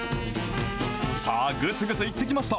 さあ、ぐつぐついってきました。